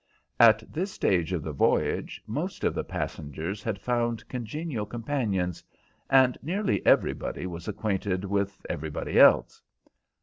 At this stage of the voyage most of the passengers had found congenial companions, and nearly everybody was acquainted with everybody else.